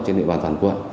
trên địa bàn toàn quận